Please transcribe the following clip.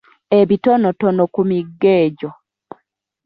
Ebitonotono ku migga egyo.